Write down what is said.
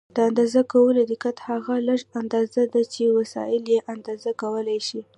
د اندازه کولو دقت هغه لږه اندازه ده چې وسایل یې اندازه کولای شي.